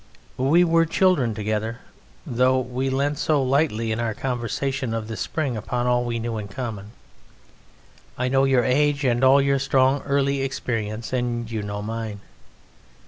We were children together. Though we leant so lightly in our conversations of this spring upon all we knew in common, I know your age and all your strong early experience and you know mine.